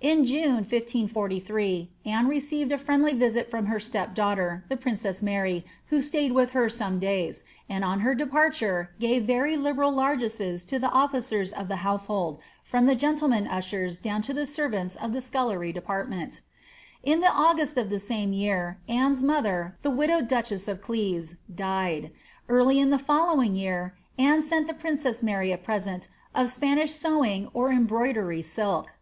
In June 1543 Anne received a friendly visit from her step dangfater, the princess Mary, who stayed with her some days, and on her departure gave very liberal largesses to the officers of the household, from the gentlemen ushers down to the servants of the scullery department^ In the August of the same year Anne's mother, the widowed duchess of Cleves, died. Early in the following year Anne sent the princess Maij a present of Spanish sewing or embroidery silk.'